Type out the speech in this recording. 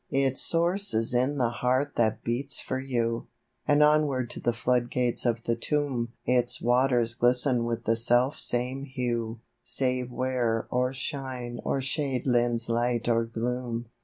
To SI Its source is in the heart that beats for you ; And onward to the flood gates of the tomb Its waters glisten with the self same hue, Save where or shine or shade lends light or gloom.